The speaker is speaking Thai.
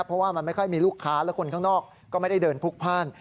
เพราะว่ามันไม่ค่อยมีลูกค้าและคนข้างนอกก็ไม่ได้เดินพลุกพ่าน